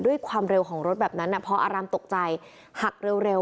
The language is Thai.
ด้วยความเร็วของรถแบบนั้นไนตรงแหน่พออารามตกใจศักดิ์เร็วเร็วอ่ะ